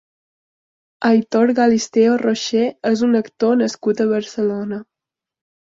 Aitor Galisteo-Rocher és un actor nascut a Barcelona.